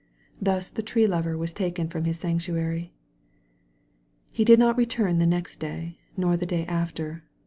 Thus the tree lover was taken from his sanctuary. He did not return the next day, nor the day after.